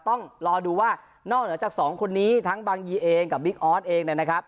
ต้องรอดูว่านอกเหนือจากสองคนนี้ทั้งบางยีเองกับบิ๊กออสเองนะครับ